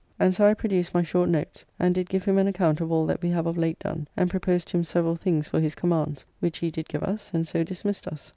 And so I produced my short notes, and did give him an account of all that we have of late done; and proposed to him several things for his commands, which he did give us, and so dismissed us.